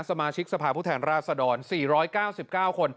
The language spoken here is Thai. สมาชิกสภาพุทธแห่งราษฎร๔๙๙คน